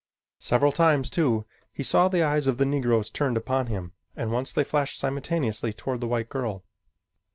Several times, too, he saw the eyes of the Negroes turned upon him and once they flashed simultaneously toward the white girl.